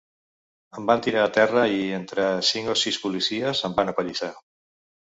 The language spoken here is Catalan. Em van tirar a terra i, entre cinc o sis policies, em van apallissar.